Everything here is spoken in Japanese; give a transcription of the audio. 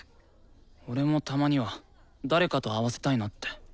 俺もたまには誰かと合わせたいなって。